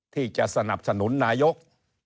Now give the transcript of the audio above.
ที่จะสนับสนุนนายก